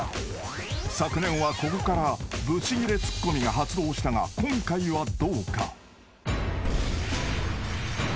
昨年はここからブチギレツッコミが発動したが今回はどうか］